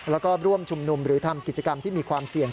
แล้วก็ร่วมชุมนุมหรือทำกิจกรรมที่มีความเสี่ยง